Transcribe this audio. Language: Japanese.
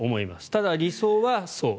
ただ、理想はそう。